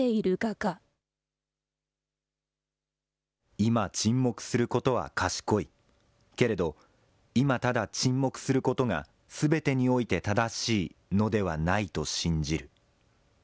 今、沈黙することは賢い、けれど、今、ただ沈黙することがすべてにおいて正しいのではないと信じる。